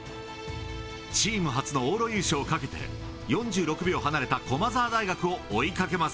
チーム初の往路優勝をかけて、４６秒離れた駒澤大学を追いかけます。